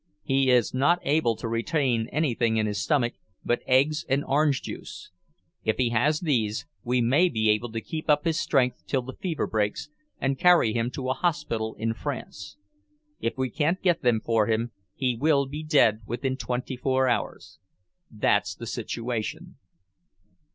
He is not able to retain anything in his stomach but eggs and orange juice. If he has these, we may be able to keep up his strength till the fever breaks, and carry him to a hospital in France. If we can't get them for him, he will be dead within twenty four hours. That's the situation."